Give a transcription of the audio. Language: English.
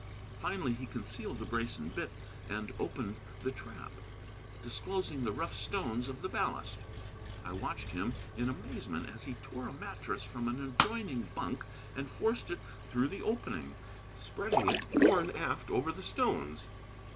Finally he concealed the brace and bit and opened the trap, disclosing the rough stones of the ballast. I watched him in amazement as he tore a mattress from an adjoining bunk and forced it through the opening, spreading it fore and aft over the stones.